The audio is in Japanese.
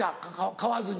買わずに？